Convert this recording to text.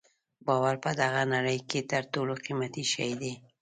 باور په دغه نړۍ کې تر ټولو قیمتي شی دی.